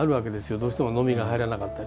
どうしてもノミが入らなかったり。